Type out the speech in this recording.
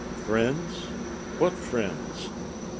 "Friends! What friends?"